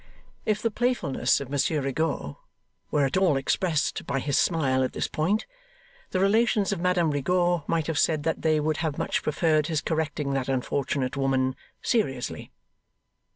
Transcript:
If the playfulness of Monsieur Rigaud were at all expressed by his smile at this point, the relations of Madame Rigaud might have said that they would have much preferred his correcting that unfortunate woman seriously.